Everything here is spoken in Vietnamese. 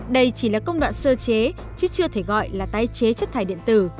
đây chỉ là công đoạn sơ chế chứ chưa thể gọi là tái chế chất thải điện tử